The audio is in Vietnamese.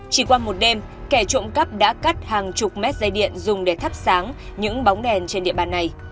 chỉ qua một đêm kẻ trộm cắp đã cắt hàng chục mét dây điện dùng để thắp sáng những bóng đèn trên địa bàn này